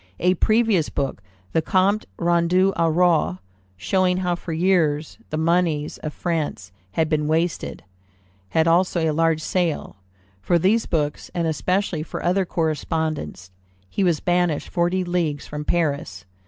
A previous book, the Compte Rendu au Roi, showing how for years the moneys of France had been wasted, had also a large sale. For these books, and especially for other correspondence, he was banished forty leagues from Paris.